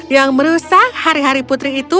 yang merusak hari hari putri itu